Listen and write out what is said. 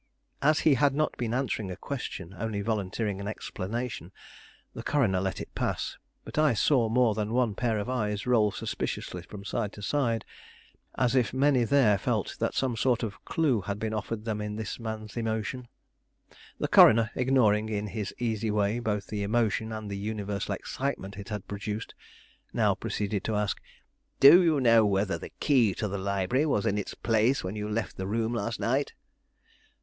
As he had not been answering a question, only volunteering an explanation, the coroner let it pass; but I saw more than one pair of eyes roll suspiciously from side to side, as if many there felt that some sort of clue had been offered them in this man's emotion. The coroner, ignoring in his easy way both the emotion and the universal excitement it had produced, now proceeded to ask: "Do you know whether the key to the library was in its place when you left the room last night?"